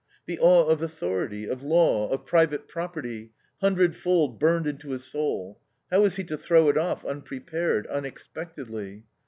The awe of authority, of law, of private property, hundredfold burned into his soul, how is he to throw it off unprepared, unexpectedly?